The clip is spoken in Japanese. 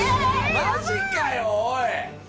マジかよおい！